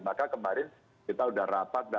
maka kemarin kita sudah rapat